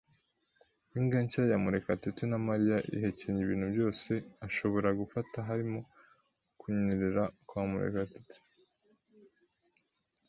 Imbwa nshya ya Murekatete na Mariya ihekenya ibintu byose ashobora gufata, harimo kunyerera kwa Murekatete.